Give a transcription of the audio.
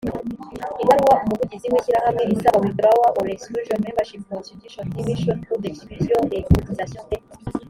ibaruwa umuvugizi w ishyirahamwe isaba withdrawal or exclusion membership contributions d mission ou d exclusion les cotisations des